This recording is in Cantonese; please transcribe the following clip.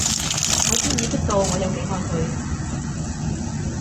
我先意識到我有幾愛佢